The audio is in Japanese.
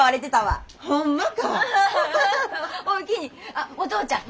あっお父ちゃん。